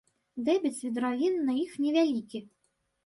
Дэбіт свідравін на іх невялікі.